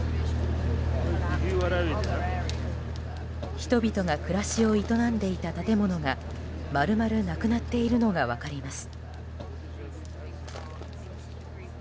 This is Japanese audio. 人々が暮らしを営んでいた建物が丸々なくなっているのが分かります。